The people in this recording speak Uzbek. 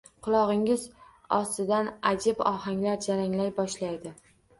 Qulog’ingiz ostida ajib ohanglar jaranglay boshlaydi.